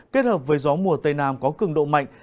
kết hợp với gió mùa tây nam có cường độ mạnh